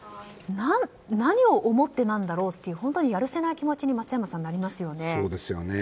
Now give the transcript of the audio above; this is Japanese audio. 何を思ってなんだろうと本当にやるせない気持ちに松山さん、なりますよね。